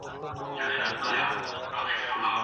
زده کوونکي د آنلاین کورسونو له لارې پوهه لوړوي هر وخت.